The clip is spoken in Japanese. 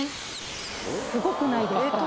すごくないですか？